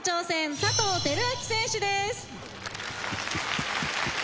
佐藤輝明選手です。